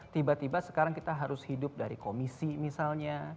tiba tiba sekarang kita harus hidup dari komisi misalnya